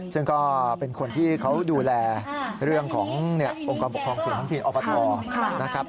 ซึ่งก็เป็นคนที่เขาดูแลเรื่องขององค์กรปกครองส่วนท้องถิ่นอบทนะครับ